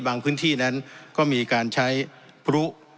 พื้นที่นั้นก็มีการใช้พลุ